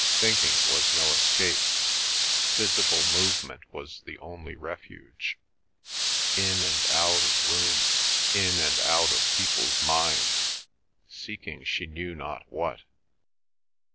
Thinking was no escape. Physical movement was the only refuge, in and out of rooms, in and out of people's minds, seeking she knew not what.